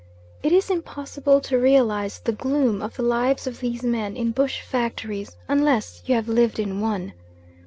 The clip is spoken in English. It is impossible to realise the gloom of the lives of these men in bush factories, unless you have lived in one.